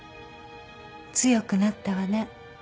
強くなったわね。